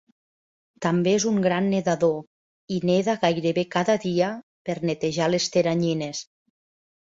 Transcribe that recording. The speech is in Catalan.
També és un gran nedador i neda gairebé cada dia "per netejar les teranyines".